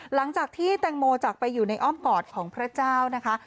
หลังจากที่แตงโมจากไปอยู่ในอ้อมกอดของพระเจ้านะคะ